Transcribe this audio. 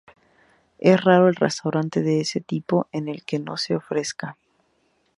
Es raro el restaurante de este tipo en el que no se ofrezca.